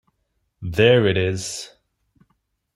There it is!